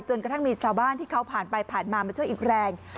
กระทั่งมีชาวบ้านที่เขาผ่านไปผ่านมามาช่วยอีกแรง